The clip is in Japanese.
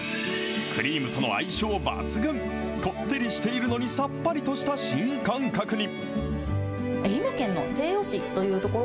クリームとの相性抜群、こってりしているのにさっぱりとした新感覚に。